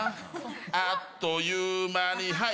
あっという間にはい！